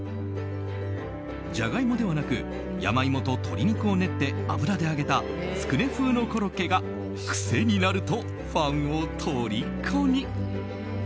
ジャガイモではなく山芋と鶏肉を練って油で揚げたつくね風のコロッケが癖になるとファンをとりこに。